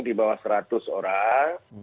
di bawah seratus orang